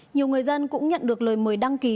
nhiều người dân cũng nhận được lời mời đăng ký